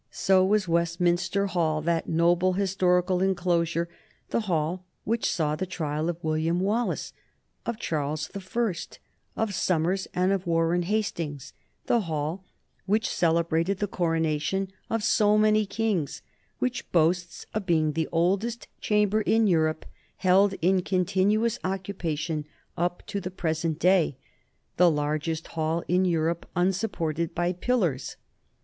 So was Westminster Hall, that noble historical enclosure, the Hall which saw the trial of William Wallace, of Charles the First, of Somers, and of Warren Hastings, the hall which celebrated the coronation of so many kings, which boasts of being the oldest chamber in Europe held in continuous occupation up to the present day, the largest hall in Europe unsupported by pillars.